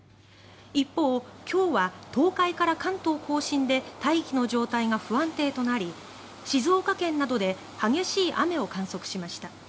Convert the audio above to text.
一方、今日は東海から関東・甲信で大気の状態が不安定となり静岡県などで激しい雨を観測しました。